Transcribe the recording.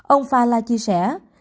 ông fala chia sẻ